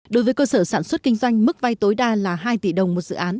đối với cơ sở sản xuất kinh doanh mức vay tối đa là hai tỷ đồng một dự án